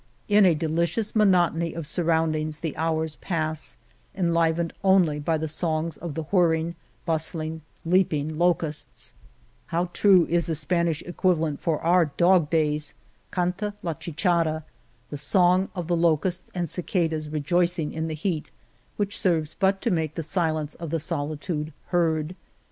In a delicious monotony of surroundings the hours pass, enlivened only by the songs of the whirring, bustling, leaping locusts. ^ How 74 lift ;,■ ^M: ■ u The Cave of Montesinos true is the Spanish equivalent for our " dog days "— ^:(2;^/^ /35 chicharra — the song of the locusts and cicadas rejoicing in the heat, which serves but to make the silence of the solitude heard.